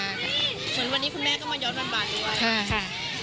เหมือนวันนี้คุณแม่ก็มาย้อนบาดดีกว่านะครับ